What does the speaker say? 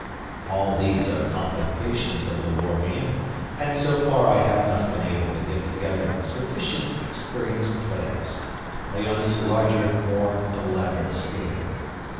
All these are complications of the War Game, and so far I have not been able to get together sufficient experienced players to play on this larger, more elaborate scale.